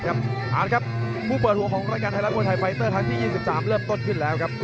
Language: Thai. เอาละครับผู้เปิดหัวของรายการไทยรัฐมวยไทยไฟเตอร์ครั้งที่๒๓เริ่มต้นขึ้นแล้วครับ